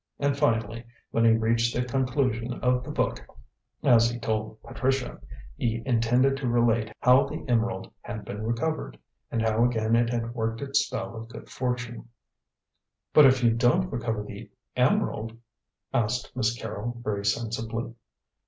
And, finally, when he reached the conclusion of the book, as he told Patricia, he intended to relate how the emerald had been recovered, and how again it had worked its spell of good fortune. "But if you don't recover the emerald?" asked Miss Carrol very sensibly.